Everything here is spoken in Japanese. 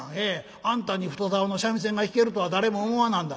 あんたに太ざおの三味線が弾けるとは誰も思わなんだ。